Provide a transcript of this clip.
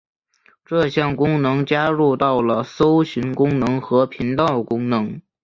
这项功能加入到了搜寻功能和频道功能。